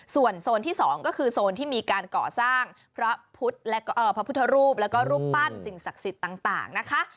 ส่วนโซนที่๒ก็คือโซนที่มีการก่อสร้างพระพุทธและพระพุทธรูปแล้วก็รูปปั้นสิ่งศักดิ์สิทธิ์ต่างนะคะ